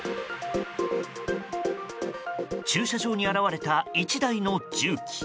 駐車場に現れた１台の重機。